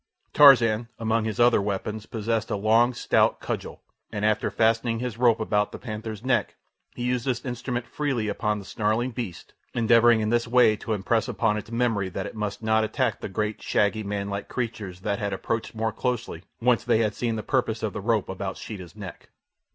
Tarzan, among his other weapons, possessed a long, stout cudgel, and after fastening his rope about the panther's neck he used this instrument freely upon the snarling beast, endeavouring in this way to impress upon its memory that it must not attack the great, shaggy manlike creatures that had approached more closely once they had seen the purpose of the rope about Sheeta's neck.